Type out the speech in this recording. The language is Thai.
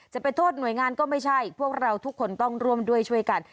จะไปโทษหน่วยงานก็ไม่ใช่พวกเราทุกคนต้องร่วมด้วยช่วยกัน